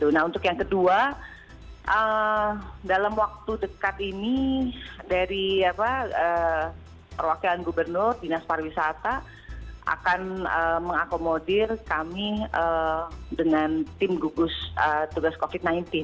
nah untuk yang kedua dalam waktu dekat ini dari perwakilan gubernur dinas pariwisata akan mengakomodir kami dengan tim gugus tugas covid sembilan belas